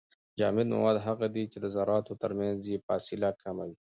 جامد مواد هغه دي چي د زراتو ترمنځ يې فاصله کمه وي.